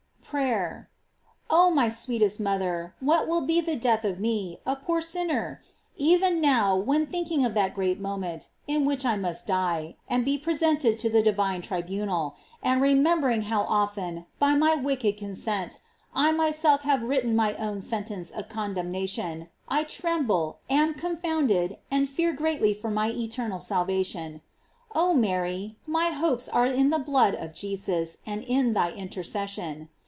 * PEAYER. Oh my sweetest mother, what will be the death of me, a poor sinner? Even now, when thinking of that great moment, in which I must die, and be presented at the divine tribunal, and remem bering how often, by my wicked consent, I my self have written my own sentence of condem nation, I tremble, am confounded, and fear great ly for my eternal salvation. Oh Mary, my hopei * Crtoog. Mond. Mat p. 3, d. 38. CLOBIES OF MAEY. 113 are in the blood of Jesus, and in thy intercession.